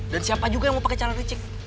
dan siapa juga yang mau pake cara licik